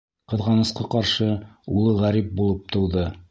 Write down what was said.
Ҡыҙғанысҡа ҡаршы, улы ғәрип булып тыуҙы.